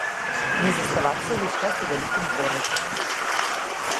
Не заставацца ўвесь час у вялікім горадзе.